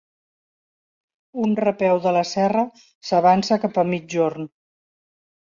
Un repeu de la serra s'avança cap a migjorn.